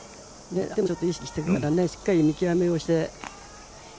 相手も、ちょっと意識してくるだろうからねしっかり見極めをして。